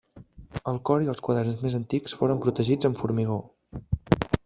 El cor i els quaderns més antics foren protegits amb formigó.